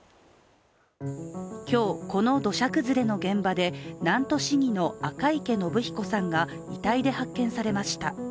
今日、この土砂崩れの現場で南砺市議の赤池伸彦さんが遺体で発見されました。